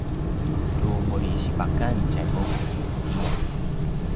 tu muri sipakan tjai vuvu nu tiyaw